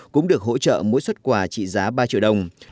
cũng được hỗ trợ mỗi xuất quà trị giá ba triệu đồng